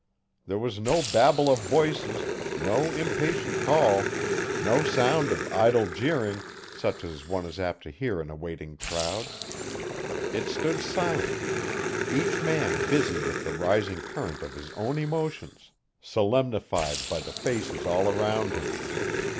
There was no babble of voices, no impatient call, no sound of idle jeering such as one is apt to hear in a waiting crowd. It stood silent, each man busy with the rising current of his own emotions, solemnified by the faces all around him.